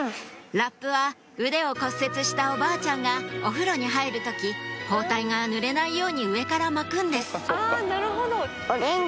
ラップは腕を骨折したおばあちゃんがお風呂に入る時包帯がぬれないように上から巻くんですオレンジ。